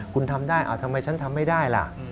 คุณทำได้ทำไมฉันทำไม่ได้ล่ะ